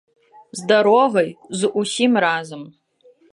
З дарогай, з усім разам.